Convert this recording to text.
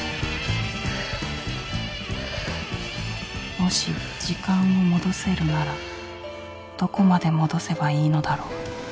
もし時間を戻せるならどこまで戻せばいいのだろう？